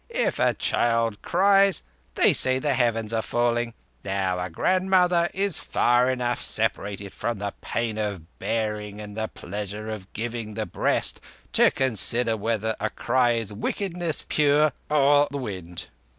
If a child cries they say the heavens are falling. Now a grandmother is far enough separated from the pain of bearing and the pleasure of giving the breast to consider whether a cry is wickedness pure or the wind.